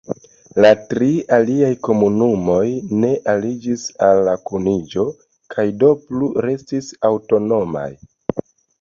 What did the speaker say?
La tri aliaj komunumoj ne aliĝis al la kuniĝo kaj do plu restis aŭtonomaj.